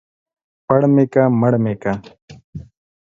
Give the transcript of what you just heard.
پړ مې که ، مړ مې که.